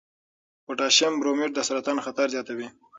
پوټاشیم برومیټ د سرطان خطر زیاتوي.